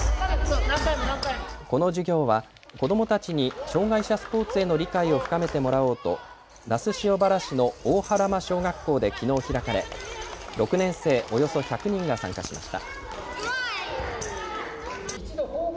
この授業は子どもたちに障害者スポーツへの理解を深めてもらおうと那須塩原市の大原間小学校できのう開かれ、６年生およそ１００人が参加しました。